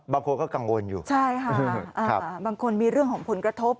บางคนก็กังวลอยู่ใช่ค่ะบางคนมีเรื่องของผลกระทบ